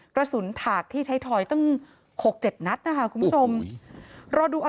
กระสุนถากที่ไททอยตั้งหกเจ็ดนัดนะคะคุณผู้ชมโอ้โห